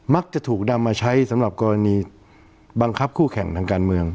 จะถูกนำมาใช้สำหรับกรณีบังคับคู่แข่งทางการเมือง